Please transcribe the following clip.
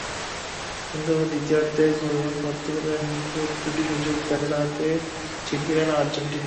কিন্তু দ্বিতীয়ার্ধে পর্তুগালের নিখুঁত দুটি সুযোগ কাজে লাগানোতেই ছিটকে গেল আর্জেন্টিনা।